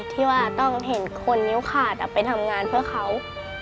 ที่ว่าต้องเห็นคนนิ้วขาดไปทำงานเพื่อเขา